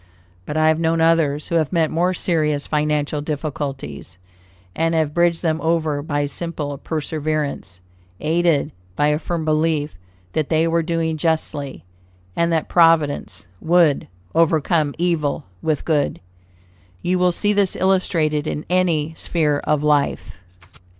But I have known others who have met more serious financial difficulties, and have bridged them over by simple perseverance, aided by a firm belief that they were doing justly, and that Providence would "overcome evil with good." You will see this illustrated in any sphere of life.